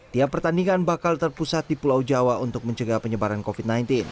tiap pertandingan bakal terpusat di pulau jawa untuk mencegah penyebaran covid sembilan belas